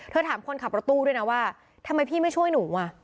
ถามคนขับรถตู้ด้วยนะว่าทำไมพี่ไม่ช่วยหนูอ่ะ